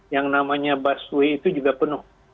yang namanya busway itu juga penuh